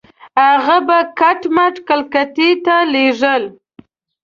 هغه به کټ مټ کلکتې ته لېږل.